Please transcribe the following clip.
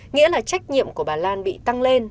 nghĩa là trách nhiệm của bà lan bị tăng lên